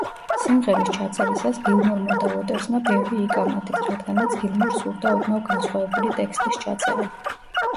სიმღერის ჩაწერისას გილმორმა და უოტერსმა ბევრი იკამათეს, რადგანაც გილმორს სურდა ოდნავ განსხვავებული ტექსტის ჩაწერა.